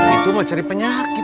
gitu mencari penyakit